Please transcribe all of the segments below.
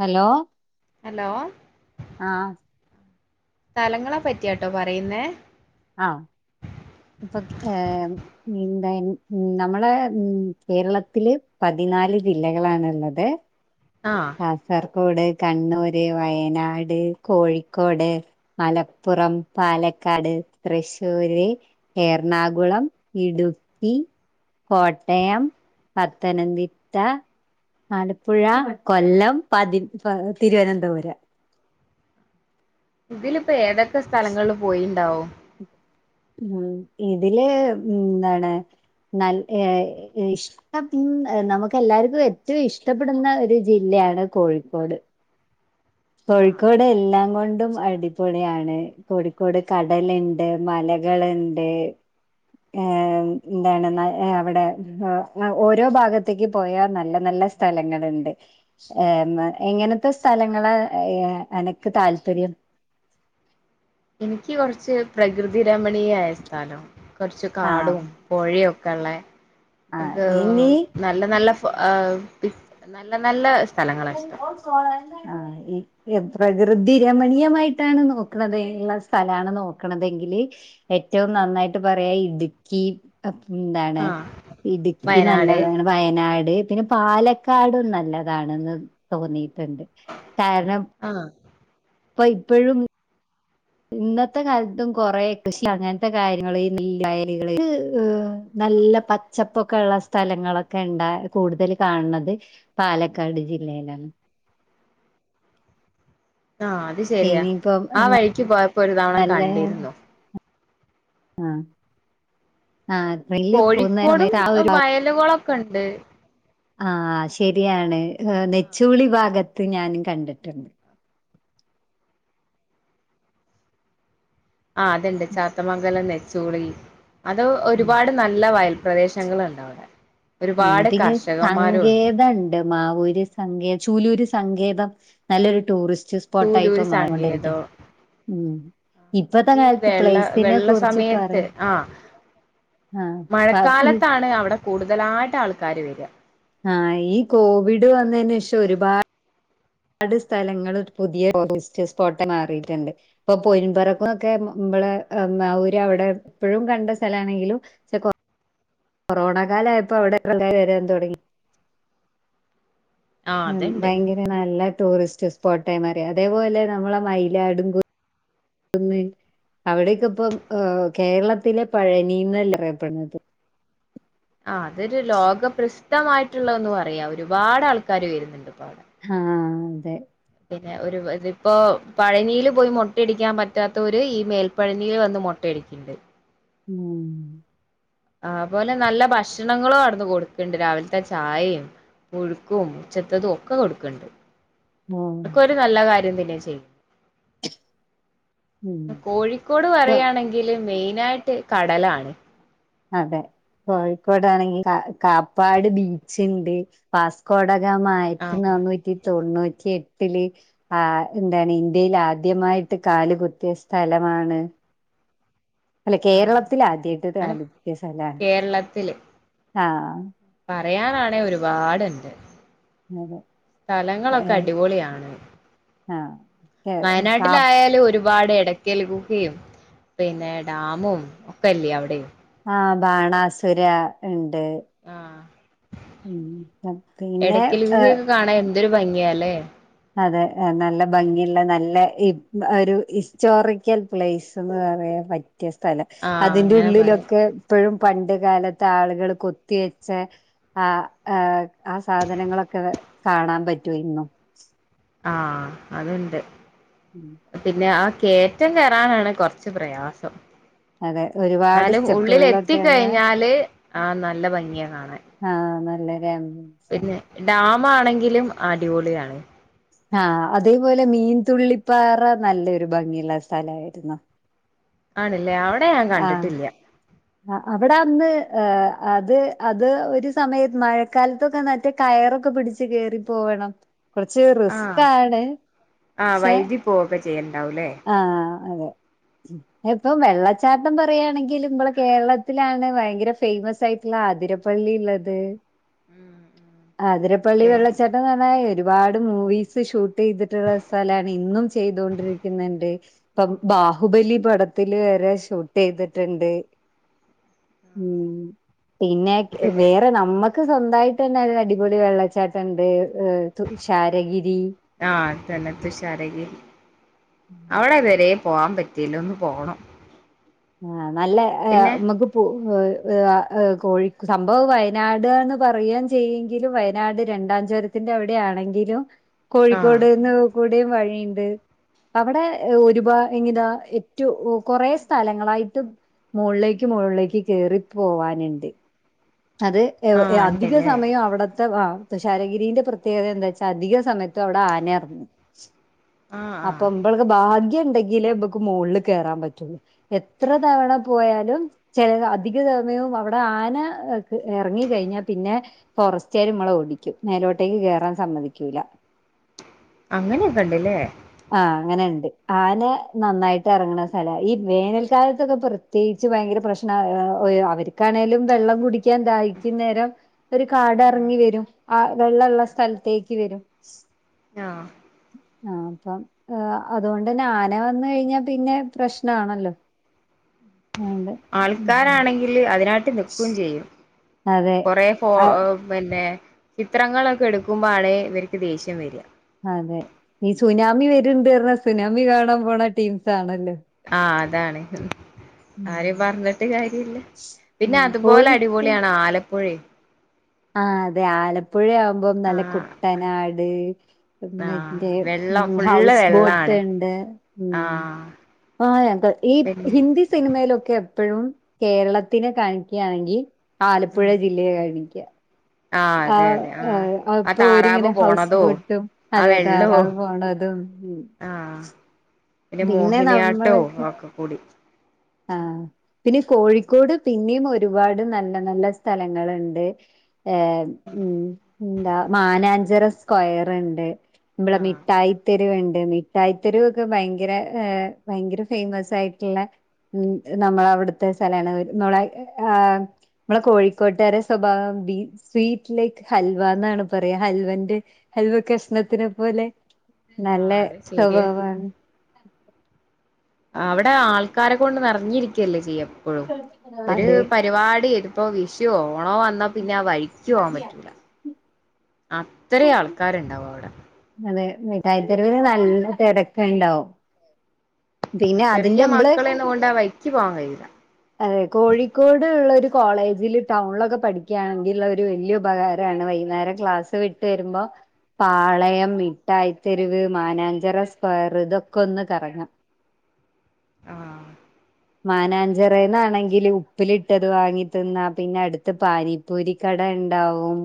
Hello hello ആഹ് സ്ഥലങ്ങളെ പറ്റിയാട്ടോ പറയുന്നേ ആഹ് ഓക്കേ ഏഹ് എന്താ നമ്മളെ കേരളത്തില് പതിനാല് ജില്ലകളാണുള്ളത് ആഹ് കാസർഗോഡ് കണ്ണൂര് വയനാട് കോഴിക്കോട് മലപ്പുറം പാലക്കാട് തൃശ്ശൂര് എറണാകുളം ഇടുക്കി കോട്ടയം പത്തനംതിട്ട ആലപ്പുഴ കൊല്ലം പതി തിരുവനന്തപുരം ഇതിലിപ്പോ ഏതൊക്കെ സ്ഥലങ്ങളില് പോയിണ്ടാവും ഇതില് ന്താണ് നൽ ഇഷ ആഹ് നമുക്ക് എല്ലാർക്കും ഏറ്റവും ഇഷ്ടപ്പെടുന്ന ഒരു ജില്ലയാണ് കോഴിക്കോട് ആഹ് കോഴിക്കോട് എല്ലാം കൊണ്ടും അടിപൊളിയാണ് കോഴിക്കോട് കടലി ണ്ട് മലകളുണ്ട് എന്താണ് അവിടെ ഓരോ ഭാഗത്തേക്ക് പോയ നല്ല നല്ല സ്ഥ സ്ഥലങ്ങളുണ്ട് എങ്ങനത്തെ സ്ഥലങ്ങളാ ആഹ് അനക്ക് താല്പര്യം എനിക്ക് കൊറച്ച് പ്രകൃതി രമണീയമായ സ്ഥലം കുറച്ച് ആഹ് കാടും പൊഴയൊക്കെള്ള ആഹ് അനക്ക്‌ ഇനി നല്ല നല്ല ഫു നല്ല നല്ല സ്ഥലങ്ങളാ ഇഷ്ടം ആഹ് ഈ പ്രകൃതി രമണീയമായിട്ടാണ് നോക്കണത ഉള്ള സ്ഥലാണ് നോക്കണതെങ്കില് ഏറ്റവും നന്നായിട്ട് പറയാ ഇടുക്കി അപ്പൊ എന്താണ് ആഹ് ഇടുക്കി വയനാട് നല്ലതാണ് വയനാട് പിന്നെ പാലക്കാടും നല്ലതാണ് തോന്നിയിട്ടുണ്ട് കാരണം ആഹ് അപ്പൊ ഇപ്പോഴും ഇന്നത്തെ കാലത്തും കൊറെേ കൃഷി അങ്ങനത്തെ കാര്യങ്ങ നല്ലാ വയലുക്കള് നല്ല പച്ചപ്പൊക്കെ ഉള്ള സ്ഥലങ്ങളൊക്കെ ഉണ്ടാ കൂടുതൽ കാണുന്നത് പാലക്കാട് ജില്ലയിലാണ് ആഹ് അത് ശരിയാ ഇനിയിപ്പം ആഹ് വഴിക്ക് പോയപ്പോ ഒരു തവണ കണ്ടിരുന്നു ആഹ് ആഹ് ട്രെനിലേക്ക് പോകുന്ന കോഴിക്കോടും സമയത്ത് ആഹ് ഒരു വയലുകളൊക്കെ ഉണ്ട് ആഹ് ശരിയാണ് ആഹ് നെച്ചുളി ഭാഗത്ത് ഞാനും കണ്ടിട്ടുണ്ട് ആഹ് അത്ണ്ട് ചാത്തമംഗലം നെച്ചുളി അത് ഉം. ഒരുപാട് നല്ല വയൽ പ്രദേശങ്ങളുണ്ട് അവിടെ ഉം ഒരുപാട് പിന്നെ കർഷകന്മാരും ഉണ്ട് സങ്കേതണ്ട് മാവൂര് സങ്ക ചൂലൂര് സങ്കേതം നല്ലൊരു ടൂറിസ്റ്റ് സ്പോട്ടായിപ്പ ചൂലൂര് മാറൊണ്ടിരിക്കേ സങ്കേതം ഉം ഇപ്പത്തെ അത് ഈ കാലത്ത് വെള്ള പ്ലേസിനെ വെള്ള കുറച്ച് സമയത്ത് പറയും ആ ആഹ് പ ഈ മഴക്കാലത്താണ് അവിടെ കൂടുതലായിട്ട് ആൾക്കാര് വരിക ആഹ് ഈ കോവിഡ് വന്നതിന് ശേഷം ഒരുപാട് ഒരുപാട് സ്ഥലങ്ങൾ പുതിയ ടുറിസ്റ്റ് സ്പോട്ട ആയിട്ട് മാറിയിട്ടുണ്ട് ഇപ്പൊ പൊയിൻപറക്കുന്നൊക്കെ മ്മള് മാവോര് അവിടെ എപ്പോഴും കണ്ട സ്ഥല ആണെങ്കിലും ശ കോ കൊറോണ കാലായയപ്പോ അവിടെ ആൾക്കാര് വരാൻ തുടങ്ങി ആ ഉം അതുണ്ട് ഭയങ്കര നല്ല ടൂറിസ്റ്റ് സ്പോട്ടായി മാറി അതേപോലെ നമ്മളെ മയിലാടും [unintelligible] അവിടേക്കെ ഇപ്പം കേരളത്തിലെ പഴനി എന്നല്ല അറിയപ്പെണത്. ആ അതൊരു ലോക പ്ര്രസിദ്ധമായിട്ടുള്ളന്ന് പറയാ ഒരുപാട് ആൾക്കാാര് വരുന്നുണ്ട് ഇപ്പ അവിടെ ആഹ് അതെ പിന്നെ ഒരു ഇതിപ്പോ പഴനിയിൽ പോയി മുട്ടടിക്കാൻ പറ്റാത്ത ഒരു ഈ മേൽപ്പഴനിയിൽ വന്ന് മു ട്ടടിക്കണ്ട്. മ്മ് ആപോലെ നല്ല ഭക്ഷണങ്ങളും അവിന്ന് കൊടുക്കണ്ട് രാവിലത്തെ ചായയും പുഴുക്കും ഉച്ചത്തതും ഒക്കെ കൊടുക്കണ്ട്. മ്മ് ത്ന്നല്ല കാര്യം ഉം കോഴിക്കോട് പറണെങ്ക ൽ മെയിനായിട്ടു കടലാണ്. അതെ കോഴിക്കോടാണെങ്കിൽ കാ കാപ്പാട് ബീച്ച് ഉണ്ട് വാസ്കോടകമ ആയിരത്തി ആഹ് നാനൂറ്റി തൊണ്ണൂറ്റി എട്ടില് ആ എന്താണ് ഇന്ത്യയിൽ ആദ്യമായിട്ട് കാല് കുത്തിയ സ്ഥലമാണ് അല്ലെ ആഹ് കേരളത്തി ആദ്യമായിട്ടത് അന ആദ്യത് സ്ഥലമാണ്. ആഹ പറയാനാണേ ഒരുപാടുണ്ട്. അതെ സ്ഥലങ്ങളൊക്കെ ഏഹ് അടിപൊളിയാണ്. ആഹ് കേ കാ വയനാട്ടിലായാലും ഒരു പട് ഇടക്കൽ ഗുഹയും പിന്നെ ഡാമും ഒക്കെ അല്ലേ അവിടെയും ആഹ ബാണാസുര ഉണ്ട് ആഹ് ഉ പിന്നെ എടക്കൽ ഏ ഗുഹയൊക്കെ കാണാൻ എന്തൊരു ഭംഗിയല്ലേ? അതെ നല്ല ഭംഗിയുള്ള നല്ല ഒരു ഹിസ്റ്റോറിക്കൽ പ്ലേസ്ന്ന് പറയാൻ പറ്റിയ സ്ഥലം ആഹ് അതിന്റെ അങ്ങനെ പറയാം ഉള്ളിലൊക്കെ ഇപ്പോഴും പണ്ട് കാലത്ത് ആളുകൾ കൊത്തി വെച്ച ആ ആ സാധനങ്ങളൊക്കെ കാണാൻ പറ്റൂ ഇന്നും ആഹ് അതുണ്ട്. ഉം പിന്നെ ആ കേയറ്റം കയറാനാണ് കുറച്ച് പ്രയാസം അതെ ഒരുപാട് എന്നാലും ഉള്ളിൽ സ്റ്റെപ്പുകളൊക്കെ ഉള്ള എത്തിക്കഴിഞ്ഞാല് ആ നല്ല ഭംഗിയെ കാണാൻ ആഹ് നല്ല പിന്നെ ഡാം ആണെങ്കിലും അടിപൊളിയ ആണ്. ആഹ അതേപോലെ മീൻതുള്ളിപ്പാറ നല്ലൊരു ഭംഗിയുള്ള സ്ഥലയിരുന്നു ആണില്ലേ അവിടെ ഞാൻ കണ്ടിട്ടില്ല ആ അവിടെ അന്ന് അത് അത് ഒരു സമയത്ത് മഴക്കാലത്തൊക്കെ മറ്റേ കയറൊക്കെ പിടിച്ച് കേറി പോവണം കൊറച്ച് ആഹ് റിസ്കാണ് ആഹ് ശേ വൈകി പോവൊക്കെ ചെയ്യണ്ടാവൂല്ലേ ആഹ അതെ ഇപ്പം വെള്ളച്ചാട്ടം പറയുകയാണെങ്കിൽ നമ്മള കേരളത്തിലാണ് ഭയങ്കര ഫേമസ് ആയിട്ടുള്ള ആതിരപ്പള്ളി ഉള്ളത്. ആതിരപ്പള്ളി വെള്ള ചേട്ടംന്ന് പറഞ്ഞാൽ ഒരുപാട് മൂവീസ് ഷൂട്ട് ചെയ്തിട്ടുള്ള സ്ഥലമാണ് ഇന്നും ചെയ്തൊണ്ടിരിക്കുന്നണ്ട് ഇപ്പം ബാഹുബലി പടത്തില് വരെ ഷൂട്ട് ചെയ്തിട്ടുണ്ട്. ഉ പിന്നെ പിന്നെ വേറെ നമ്മക്ക് നക്ക് സ്വന്തമായിട്ട് തന്നൊയിരുന്നു അടിപൊളി വെള്ളച്ചാട്ടുണ്ട് ശാരഗിരി ആഹ തന്നെ തുഷാരഗിരി അവിടെതുവരെ പോവാൻ പറ്റില്ലോ ഒന്ന് പോണം. ആ നല്ല പിന്നെ മു കോഴിക്ക സംഭവം വയനാട്ന്ന് പറയയാൻ ചെയ്യെങ്കിലും വയനാട് രണ്ടാം അവിടെ ആണെങ്കിലും കോഴിക്കോ ആഹ് വഴിയുണ്ട് അവിടെ ഒരുപാ എങ്ങതാ ഏറ്റ കുറെ സ്ഥലങ്ങളായിട്ട് മുകളുകളിലേക്ക് മുകളിലേക്ക് കേയറി പോവാനുണ്ട് അത് ആഹ് അധിക ഉണ്ടല്ലേ സമയം അവിടുത്തെ [unintelligible] ശാരഗിരിന്റെ പ്രത്യേകത എന്താ വെച്ചാ അധിക സമയത്ത് അവിടെ ആന ഇറന്നു ആഹ് ആഹ് അപ്പം ഇപ്പോക്ക് ഭാഗ്യം ഉണ്ടെങ്കിലേ ഇമുക്ക് മുകളിൽ കയറാൻ പറ്റുള്ളൂ എത്ര തവണ പോയാലും ചില അധിക തമയയും അവിടെ ആന ഇറങ്ങി കഴിഞ്ഞാൽ പിന്നെ ഫോറസ്റ്റ ആല മമ്മളെ ഓടിക്കും മേലോട്ടേക്ക് കയറാൻ സമ്മതിക്കൂില്ല അങ്ങനെയൊക്കെ ഉണ്ടല്ലേ ആഹ അങ്ങനെ ഉണ്ട് ആന നന്നായിട്ട് ഇറങ്ങണ സ്ഥല ഈ വേനൽക്കാലത്തൊക്കെ പ്രത്യേകിച്ച് ഭയങ്കര പ്രശ്നം അവർക്കാണെങ്കലും വെള്ളം കുടിക്ക ന്തൈരിക്കുന്നേരം ഒരു കാട് ഉം ഇറങ്ങി വരും ആ വെള്ളംള്ള സ്ഥലത്തേക്ക് വരും ആഹ ആഹ അപ്പം [unintelligible] അതുകൊണ്ട്ന്ന ആനെ വന്ന കഴിഞ്ഞാൽ പിന്നെ പ്രശ്നമാണല്ലോ ആണ്ട് ആൾക്കാരാണെങ്കില് അതിനായിട്ട് നക്കുകയും ചെയ്യും അതെ കൊറ ഫോ ആഹ് പിന്നെ ചിത്രങ്ങളൊക്കെ എടുക്കുമ്പോ ആളെ ഇവർക്ക് ദേഷ്യം വരിക അതെ നീ സുനാമി വരണ്ട് പറഞ്ഞാ സുനാമി കാണാൻ പോണ ടീംസ് ആണല്ലോ ആഹ അതാണ് ഉം ആരും പറഞ്ഞിട്ട് കാര്യ ഇല്ല പിന്നെ ഉം അതുപോലെ കോഴിക്ക് അടിപൊളിയണോ ആലപ്പുഴ ആഹ അതെ ആലപ്പുഴ ആവുമ്പോം നല്ല ആഹ് കുട്ടനാട് ആഹ് പിന്നന്റെ വെള്ളം ഉം ഫുള്ള് ഹൗസ് ബോട്ട് വെള്ളാണ് ഇണ്ട് ഉം ആഹ് ആഹന്ത ഈ പിന്നെ ഹിന്ദി സിനിമയിലൊക്കെ എപ്പോഴും കേരളത്തിനെ കാണിക്കുകയാണെങ്കിൽ ആ ആലപ്പുഴ ഉം ജില്ലയെ കഴണിക്ക ആഹ് ആ അതെ അതെ ആഹ് അയ് ആ ഇപ്പൊ താറാവ് ഒരിങ്ങനെ ഹൗസ് പോണതോ ബോട്ടും ആ അതെ വെള്ളോ താറാവ് പോണതും ഉം ആഹ് പിന്നെ മോഹിനിയാട്ടോ ഒക്കെ കൂടി ആ പിന്നെ കോഴിക്കോട് പിന്നെയും ഒരുപാട് നല്ല നല്ല സ്ഥലങ്ങള്ണ്ട് എ ഉം ഉ എന്താ മാനാഞ്ചറ സ്ക്വയറിണ്ട് നമ്മളെ ആഹ് മിഠായി തെരുവുണ്ട് മിഠായിത്തെരുവോക്കെ ഭയങ്കര ഏ ഭയങ്കര ഫേമസായിട്ടുള്ള ഉ നമ്മളവിടുത്തെ സലാണ് ഒരു നമ്മളെ ആ നമ്മളെ കോഴിക്കോട്ട്കാരെ സ്വഭാവം ബീ സ്വീറ്റ് ലൈക്ക് ഹൽവ എന്നാണ് പറയാ ഹൽവന്റെ ഹൽവ കഷ്ണത്തിനെ പോലെ നല്ല ആഹ് അത് ശരിയാ സ്വഭാവാണ് അവിടെ ആൾക്കാരെ കൊണ്ട് നിറഞ്ഞിരിക്കല്ലേ ചെയ്യപ്പോഴും ഒരു അതെ പരിവാടി പ്പൊ വിഷൊ ഓണോ വന്നാ പിന്നെ ആ വഴിക്കോവാൻ പറ്റൂല അത്രയാൾക്കാര്ണ്ടാവും അവിടെ അതെ മിഠായിത്തെരുവിന് നല്ല തെരക്ക്ണ്ടാവും പിന്നെ അതിന്റെമ്പള് പിന്ന വൈക്കി പോവാ കയ്യുല അതെ കോഴിക്കോട്ള്ളൊരു കോളേജില് ടൗൺലൊക്കെ പഠിക്കുകയാണെങ്കിൽളെളാരു വല്യുപകാരാണ് വൈന്നേരം ക്ലാസ് വിട്ടരുമ്പോ പാളയം മിഠായിത്തെരുവ് മാനാഞ്ചറ സ്ക്വയറ് ഇതൊക്കെ ഒന്ന് കറങ്ങാ ആ മാനാഞ്ചിറേന്നാണെങ്കില് ഉപ്പിലിട്ടത് വാങ്ങി തിന്നാ പിന്നെ അടുത്ത് പാനി പൂരിക്കട ണ്ടാവും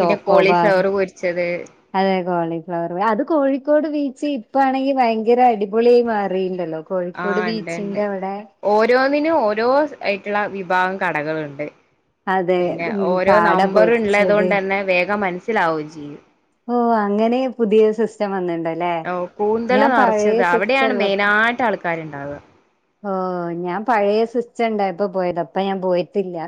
പിന്നെ കോളിഫ്ലവറ് പൊരിച്ചത് അതെ കോളിഫ്ലവർ അത് കോഴിക്കോട് ബീച്ച് ഇപ്പാണെങ്കിൽ ഭയങ്കര അടിപൊളിയായി മാറിയിണ്ടല്ലോ കോഴിക്കോട് ആഹ് ഉണ്ട് ഉണ്ട് ബീച്ചിന്റ അവടെ ഓരോന്നിനും ഓരോ സ് അയിട്ടുള്ള വിഭാഗം കടകളുണ്ട് അതെ പിന്നെ ഉം ഓരോ കാട പൊരിച്ചത് നമ്പറിള്ളതോണ്ടന്നെ വേഗം മനസ്സിലാവും ചെയ്യും. ഓ അങ്ങനെ പുതിയ സിസ്റ്റം വന്നിണ്ടായി ഓ കൂന്തള് നെറച്ചത് അവിടെയാണ് ഉള്ള മെയിനായിട്ടാൾക്കാര്ണ്ടാവ ഓ ഞാൻ പഴയ സിസ്റ്റണ്ടായപ്പം പോയത ഇപ്പൊ ഞാൻ പോയിട്ടില്ല.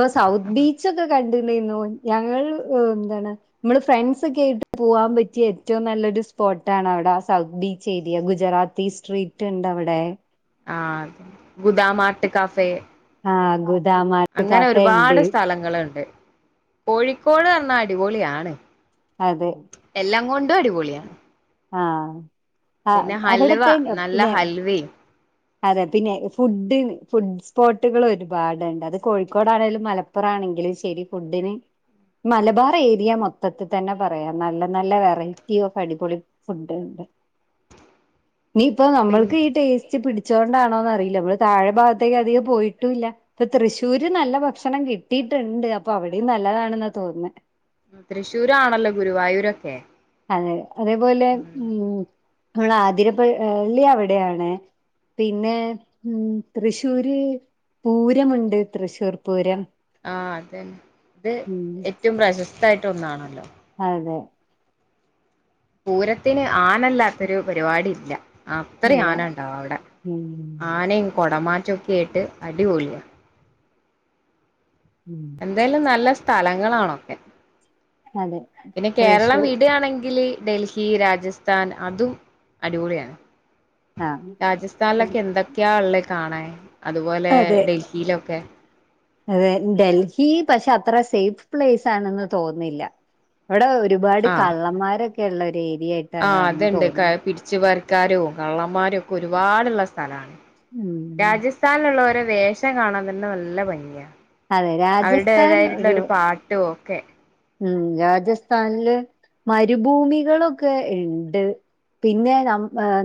ഓ സൗത്ത് ബീച്ചൊക്കെ കണ്ട്ണേനു ഞങ്ങള് എ എന്താണ്. മ്മള് ഫ്രണ്ട്സൊക്കെയായിട്ട് പോവാൻ പറ്റിയ ഏറ്റവും നല്ലൊരു സ്പോട്ടാണ് വടെ അ സൗത്ത് ബീച്ച് ഏരിയ ഗുജറാത്ത് തീ സ്ട്രീറ്റ്ണ്ടവിടെ ആ ഗുദാമാട്ട് കാഫേ ആ ഗുദാമാട്ട് കഫെയിണ്ട് ങ്ങളണ്ട് കോഴിക്കോട് വന്നാ അടിപൊളിയാണ്. അതെ എല്ലാം കൊണ്ടും അടിപൊളിയാ ആ അ ഹൽവ അവിടത്തെ നല്ല പിന്നെ ഹൽവയും അതെ പിന്നെ ഫുഡ് ഫുഡ് സ്പോട്ടുകളാരുപാടുണ്ട് അത് കോഴിക്കോടാണേലും മല പ്പറാണെങ്കിലും ശെരി ഫുഡിന്. മലബാറേരിയ മൊത്തത്തിൽ തന്നെ പറയാം നല്ല നല്ല വെറൈറ്റി ഓഫ് അടിപൊളി ഫുഡ്ണ്ട് നിപ്പ പിന്നെ നമ്മൾക്ക് ഈ ടേസ്റ്റ് പിടി ച്ചോണ്ടാണോന്നറിയില്ല മ്മള് താഴെ ഭാഗത്തേക്ക് അധികം പോയിട്ടുംല്ല. ഇപ്പൊ തൃശ്ശൂര് നല്ല ഭക്ഷണം കിട്ടിയിട്ടുണ്ട്. അപ്പൊ അവിടിം നല്ലതാണെന്നാ തോന്നുന്ന് തൃശ്ശൂരാണല്ലോ ഗുരുവായൂരൊക്കെ. അതെ അതേപോലെ ഉം നമ്മളാതിരപ്പ എ പ്പള്ളി അവിടെയാണ്. പിന്നെ ഉം തൃശ്ശൂര് പൂരമുണ്ട് തൃശ്ശൂർ പൂരം. ആ അതന്നെ ഇത് ഉം ഏറ്റോ പ്രശസ്തായിട്ടൊന്നാണല്ലോ? അതെ പൂരത്തിന് ആനല്ലാത്തൊരു പരിപാടിയില്ല. അത്രയും ഇല്ല ആന ഉണ്ടാവും അവിടെ ഉം ആനയും കൊടമാറ്റംക്കെ കേട്ട് അടിപൊളിയ. ഉം എന്തായാലും നല്ല സ്ഥലങ്ങളാണൊക്കെ? അതെ പിന്നെ കേരളം തൃശ്ശൂർ വിടയാണെങ്കിൽ ഡൽഹി. ൽഹി രാജസ്ഥാൻ അതും അടിപൊളിയാണ്. ആഹ് രാജസ്ഥാനിലൊക്കെ എന്തൊക്കെയാ ഉള്ളത് കാണൻ അതുപോലെ അതെ ഡൽഹിയിലൊക്കെ. അതെ ഡൽഹി പക്ഷെ അത്ര സേഫ് പ്ലേസ് ആണെന്ന് തോന്നില്ല. ഇവിടെ ഒരുപാട് കള്ളന്മാരൊക്കെ ഉള്ള ഒരു ഏരിയ ആയിട്ട്. ആ അതണ്ട് പിടിച്ചുപരിക്കാരും കള്ളന്മാരും ഒക്കെ ഒരുപാടുള്ള സ്ഥലമാണ്. ഉം രാജസ്ഥാനിലുള്ളവരെ വേഷം കാണാൻ തന്നെ നല്ല ഭംഗിയ. അതെ രാജസ്ഥാൻ അവരുടേതായിട്ടുള്ള ഒരു പാട്ടും ഒക്കെ. ഉം രാജസ്ഥാനില് മരുഭൂമികളൊക്കെ ഉണ്ട്. പിന്നെ ന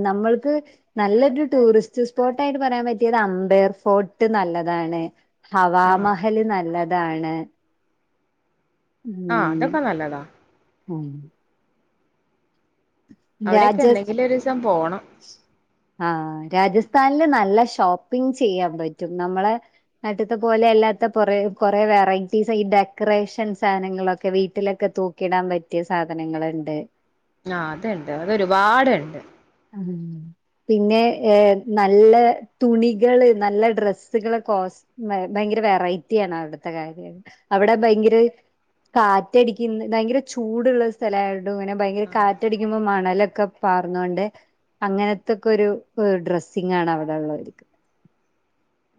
നമ്മൾക്ക്. നല്ലൊരു ടൂറിസ്റ്റ് സ്പോട്ട് ആായിട്ട് പറയാൻ പറ്റിയത്. അമ്പേർ ഫോർട്ട് നല്ലതാണ്. ആഹ് ഹവാമഹല് നല്ലതാണ്. ആഹ് ഉം അതൊക്കെ നല്ലതാ ഉം അവിടെയൊക്കെ എനൊങ്കിലും ഒരു ദിവസം പോണം. ആഹ രാജസ്ഥാനില് നല്ല ഷോപ്പിംഗ് ചെയ്യാൻ പറ്റും നമ്മളെ അടുത്തെ പോലെ അല്ലാത്ത കുറ കുറെേ വെറൈറ്റീസ് ഈ ഡെക്കറേഷൻ സാധനങ്ങളൊക്കെ വീട്ടിലൊക്കെ തൂക്ക കിടാൻ പറ്റിയ സാധനങ്ങളുണ്ട്. ആ അത്ണ്ട് അത് ഒരുപാടുണ്ട്. ആഹ് പിന്നെ നല്ല തുണികള് നല്ല ഡ്രസ്സുക കോ ഭയങ്കര വെറൈറ്റി ആണ് അവിടുത്തെ കാര്യ അവിടെ ഭയങ്കര കാറ്റടിക്ക ഭയങ്കര ചൂടുള്ള സ്ഥലായിടും ഇങ്ങനെ ഭയങ്കര ആഹ് കാറ്റടിക്കുമ്പോ മണലൊക്കെ പാർന്നൊണ്ട് അങ്ങനത്തൊക്കെ ഒരു ഡ്രസ്സിംഗ് ആണ് അവിടെ ഉള്ളവർക്ക്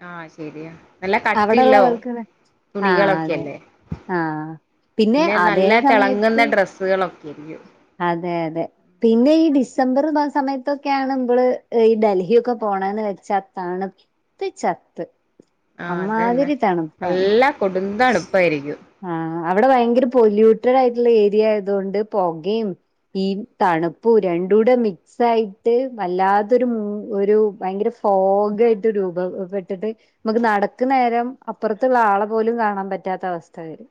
ആഹ് ശരിയാ നല്ല അവിടെള്ള കട്ടില്ലോ ആൾക്കാര് ആഹ് അതെ തുണികളൊക്കെല്ലേ ആഹ് പിന്നെ അതേ നല്ല തിളങ്ങുന്ന സമയത്ത് ഡ്രസ്സ് [unintelligible] അതെ അതെ പിന്നെ ഈ ഡിസംബർ ആഹ് സമയത്തൊക്കെയാണ് ന്പള് ഈ ഡൽഹിയൊക്കെ പോണന്ന് വെച്ചാത്താണ് ചത്ത് ചത്ത് ആഹ് അതന്നെ അമാതിരി തണ്പ്പാണ് നല്ല കൊടുന്തണുപ്പായിരിക്കും ആഹ് അവിടെ ഭയങ്കര പൊല്യൂട്ടഡ് ആയിട്ടുള്ള ഏരിയ ആയതൊണ്ട് പുകയും ഈ തണുപ്പ് രണ്ടൂടെ മി ആയിട്ട് വല്ലാത്തൊരു ഒരു ഭയങ്കര ഫോഗ് ആയിട്ട് രൂപപ്പെട്ടിട്ട് നമുക്ക് നടക്ക് നേരം അപ്പുറത്തുള്ള ആളെ പോലും കാണാൻ പറ്റാത്ത അവസ്ഥ വരും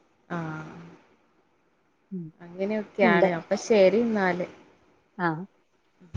ആഹ് ഉം ഉണ്ട് അങ്ങനെയൊക്കെയാണ് അപ്പൊ ശരി എന്നാല് ആഹ്